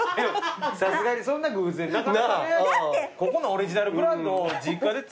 ここのオリジナルブランドを実家で。